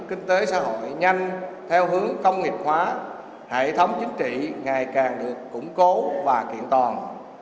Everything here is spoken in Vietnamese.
kinh tế xã hội nhanh theo hướng công nghiệp hóa hệ thống chính trị ngày càng được củng cố và kiện toàn